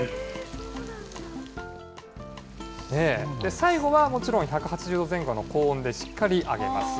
最後はもちろん、１８０度前後の高温でしっかり揚げます。